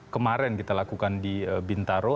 kemarin kita lakukan di bintaro